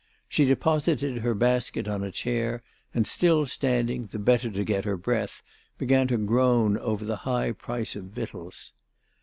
She deposited her basket on a chair and still standing, the better to get her breath, began to groan over the high price of victuals.